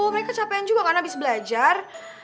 mereka capean juga kan abis belajar